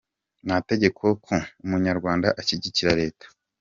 Nta tegeko ko umunyarwanda ashigikira Leta!